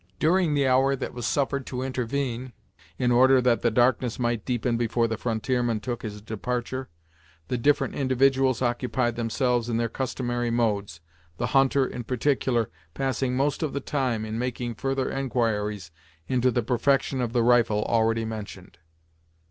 During the hour that was suffered to intervene, in order that the darkness might deepen before the frontierman took his departure, the different individuals occupied themselves in their customary modes, the hunter, in particular, passing most of the time in making further enquiries into the perfection of the rifle already mentioned.